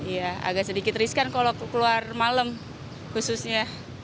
ya agak sedikit riskan kalau keluar malam khususnya